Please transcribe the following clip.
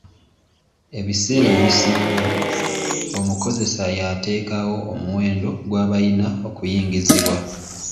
Ebiseera ebisinga, omukozesa y'ateekawo omuwendo gw'abayina okuyingizibwa.